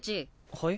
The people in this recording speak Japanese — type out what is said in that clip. はい？